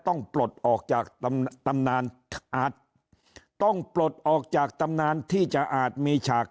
ต้องปลดออกจากตำนานต้องออกจากตำนานที่จะอาจมีฉาก